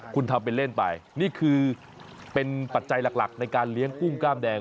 คุณทำเป็นเล่นไปนี่คือเป็นปัจจัยหลักในการเลี้ยงกุ้งกล้ามแดง